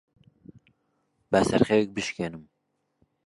با سەرخەوێک بشکێنم.